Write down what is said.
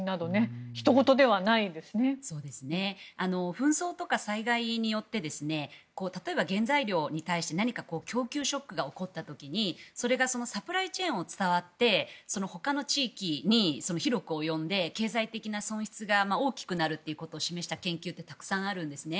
紛争とか災害によって例えば、原材料に対して何か供給ショックが起こった時にそれがサプライチェーンを伝わってほかの地域に広く及んで経済的な損失が大きくなることを示した研究ってたくさんあるんですね。